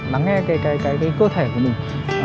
lắng nghe cái cơ thể của mình